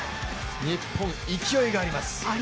日本、勢いがあります。